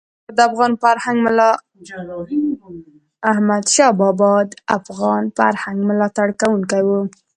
احمدشاه بابا د افغان فرهنګ ملاتړ کوونکی و.